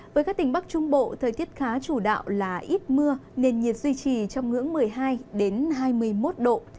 với các tỉnh bắc trung bộ thời tiết khá chủ đạo là ít mưa nền nhiệt duy trì trong ngưỡng một mươi hai hai mươi một độ